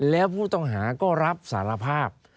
แล้วผู้ต้องหาก็รับสารภาพ